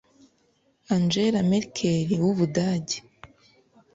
Angela Merkel w’u Budage